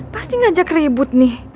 pasti ngajak ribut nih